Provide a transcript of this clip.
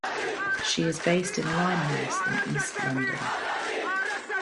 She is based in Limehouse in east London.